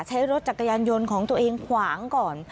ใช้รถจักรยานยนต์ของตัวเองขวางก่อน